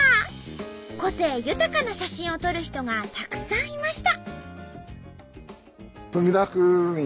個性豊かな写真を撮る人がたくさんいました。